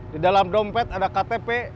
di dalam dompet ada ktp